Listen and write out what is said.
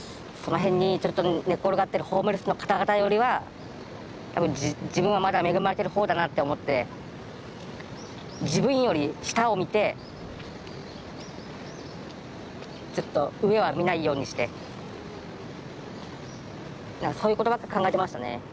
その辺にちょっと寝っ転がってるホームレスの方々よりは多分自分はまだ恵まれてる方だなって思って自分より下を見てちょっと上は見ないようにしてそういうことばっか考えてましたね。